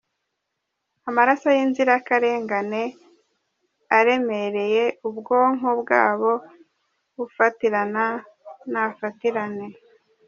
Amaraso y’inzirakarengane aremereye ubwonko bwabo…ufatirana nafatirane!